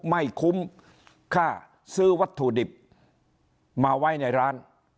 ไม่คุ้มค่าซื้อวัตถุดิบมาไว้ในร้าน